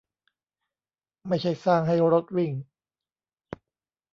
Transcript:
ไม่ใช่สร้างให้รถวิ่ง